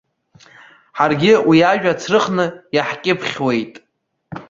Ҳаргьы уи ажәа ацрыхны иаҳкьыԥхьуеит.